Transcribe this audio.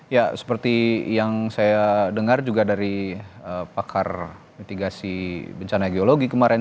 ya seperti yang saya dengar juga dari pakar mitigasi bencana geologi kemarin